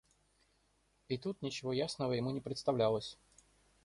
И тут ничего ясного ему не представлялось.